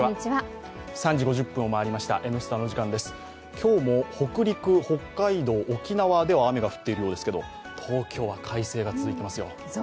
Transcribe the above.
今日も北陸、北海道、沖縄では雨が降っているようですが東京は快晴が続いていますよ。